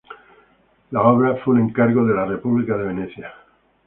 La obra fue un encargo de la República de Venecia.